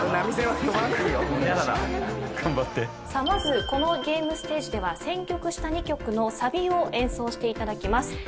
まずこのゲームステージでは選曲した２曲のサビを演奏していただきます。